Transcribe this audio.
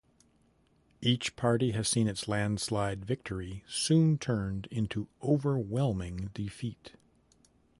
Each party has seen its landslide victory soon turned into overwhelming defeat.